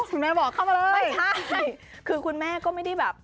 คุณแม่บอกเข้ามาเลยไม่ใช่คือคุณแม่ก็ไม่ได้แบบ